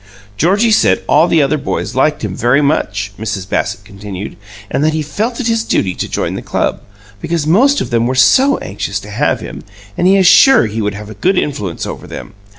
"Georgie said all the other boys liked him very much," Mrs. Bassett continued, "and that he felt it his duty to join the club, because most of them were so anxious to have him, and he is sure he would have a good influence over them.